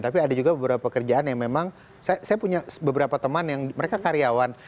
tapi ada juga beberapa kerjaan yang memang saya punya beberapa teman yang mereka karyawan